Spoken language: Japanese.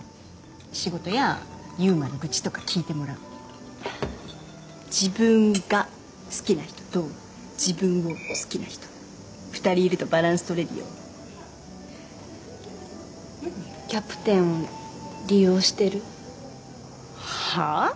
仕事や悠馬の愚痴とか聞いてもらうの自分が好きな人と自分を好きな人２人いるとバランス取れるよキャプテンを利用してる？はあ？